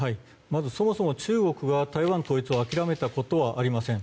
まずそもそも中国が台湾統一を諦めたことはありません。